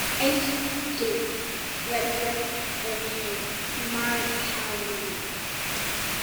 H. G. Rettberg in his "Marcelliana".